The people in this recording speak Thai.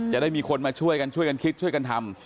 จะได้มีคนมาช่วยกันช่วยกันคิดช่วยกันทำ